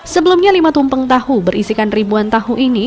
sebelumnya lima tumpeng tahu berisikan ribuan tahu ini